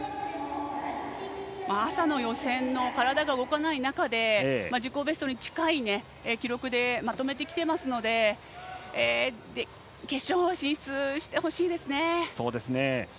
朝の予選の体が動かない中で自己ベストに近い記録でまとめてきていますので決勝進出してほしいですね。